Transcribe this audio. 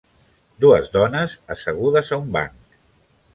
Dues dones assegudes a un banc.